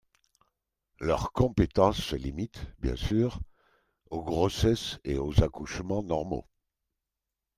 Leur compétence se limite, bien sûr, aux grossesses et aux accouchements normaux.